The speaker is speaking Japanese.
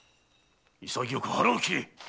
潔く腹を切れ！